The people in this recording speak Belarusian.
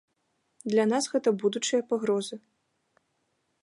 Для нас гэта будучыя пагрозы.